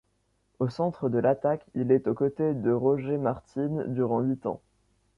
Au centre de l'attaque, il est aux côtés de Roger Martine durant huit ans.